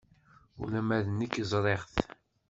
Ula d nekk ẓriɣ-t.